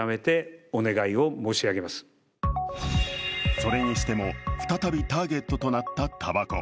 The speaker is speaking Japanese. それにしても、再びターゲットとなった、たばこ。